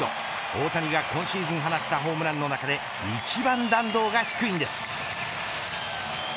大谷が今シーズン放ったホームランの中で一番弾道が低いんです。